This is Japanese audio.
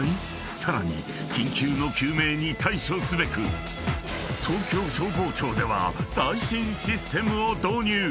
［さらに緊急の救命に対処すべく東京消防庁では最新システムを導入！］